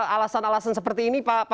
alasan alasan seperti ini pak